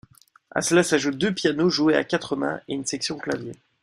À cela s'ajoutent deux pianos joués à quatre mains, et une section clavier.